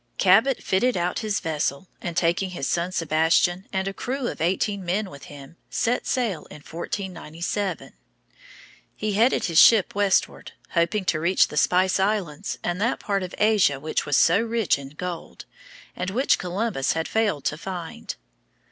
Cabot fitted out his vessel and, taking his son Sebastian and a crew of eighteen men with him, set sail in 1497. He headed his ship westward, hoping to reach the Spice Islands and that part of Asia which was so rich in gold, and which Columbus had failed to find.